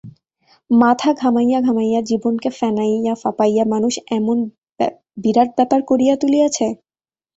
মাথা ঘামাইয়া ঘামাইয়া জীবনকে ফেনাইয়া, ফাঁপাইয়া মানুষ এমন বিরাট ব্যাপার করিয়া তুলিয়াছে?